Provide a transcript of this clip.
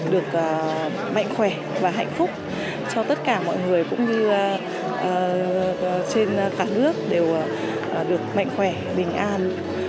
được mạnh khỏe và hạnh phúc cho tất cả mọi người cũng như trên cả nước đều được mạnh khỏe bình an